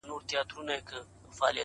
o له هغه وخته مو خوښي ليدلې غم نه راځي؛